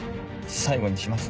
最後にします